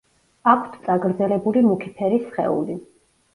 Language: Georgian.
აქვთ წაგრძელებული მუქი ფერის სხეული.